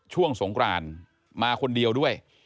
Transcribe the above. ช่วงสงกรานมาคนเดียวด้วย